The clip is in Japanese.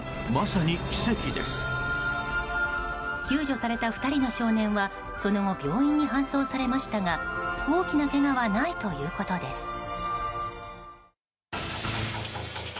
救助された２人の少年はその後、病院に搬送されましたが大きなけがはないということです。